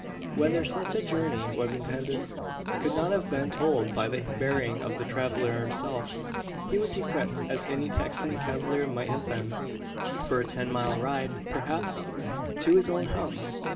Whether such a journey was intended, could not have been told by the bearing of the traveller himself. He was equipped, as any Texan cavalier might have been, for a ten mile ride perhaps to his own house.